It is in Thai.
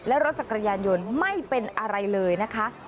และรถจักรยานยนต์ไม่เป็นอะไรเลยนะคะ